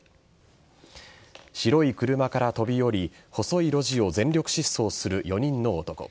白い車から飛び降り細い路地を全力疾走する４人の男。